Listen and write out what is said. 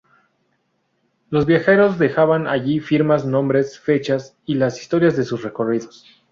Los viajeros dejan allí firmas, nombres, fechas, y las historias de sus recorridos.